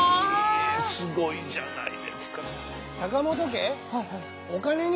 えすごいじゃないですか。